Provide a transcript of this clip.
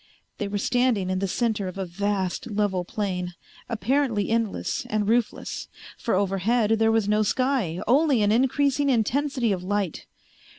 They were standing in the center of a vast level plain, apparently endless and roofless, for overhead there was no sky, only an increasing intensity of light.